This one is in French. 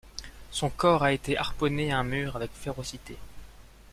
Son corps a été harponné à un mur avec férocité.